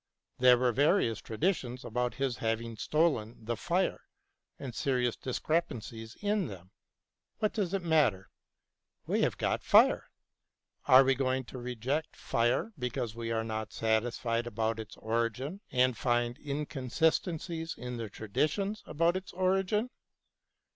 There were various tradi tions about his having stolen the fire, and serious discrepancies in them. What does it matter ? We have got fire. Are we going to reject fire because we are not satisfied about its origin and find inconsistencies in the traditions about its origin